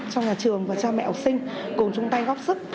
cho nhà trường và cho mẹ học sinh cùng chung tay góp sức